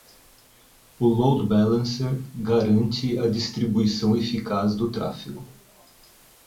O Load Balancer garante a distribuição eficaz do tráfego.